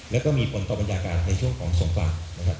และก็มีผลต่อบรรยากาศในช่วงของสงฟาร